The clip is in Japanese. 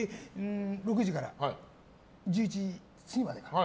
６時から１１時過ぎまでかな